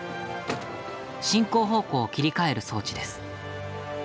進行方向を切り替える装置です。